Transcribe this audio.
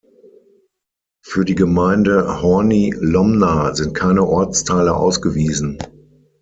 Für die Gemeinde Horní Lomná sind keine Ortsteile ausgewiesen.